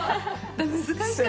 難しかった。